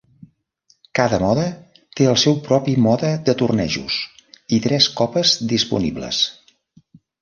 Cada mode té el seu propi mode de tornejos, i tres copes disponibles.